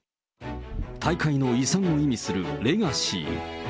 大会の遺産を意味するレガシー。